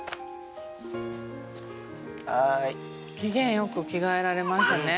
機嫌よく着替えられましたね